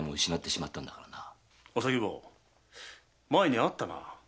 お咲坊前に会ったな。